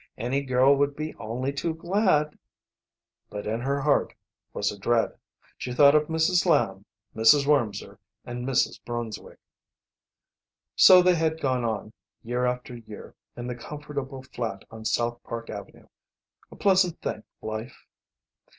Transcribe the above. Any girl would be only too glad." But in her heart was a dread. She thought of Mrs. Lamb, Mrs. Wormser, and Mrs. Brunswick. So they had gone on, year after year, in the comfortable flat on South Park Avenue. A pleasant thing, life.